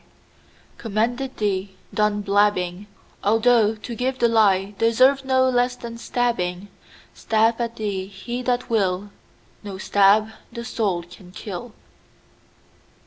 So when thou hast, as ICommanded thee, done blabbing,—Although to give the lieDeserves no less than stabbing,—Stab at thee he that will, No stab the soul can kill.